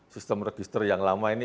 sistem register yang lama ini